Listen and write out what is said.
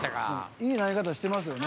いい投げ方してますよね。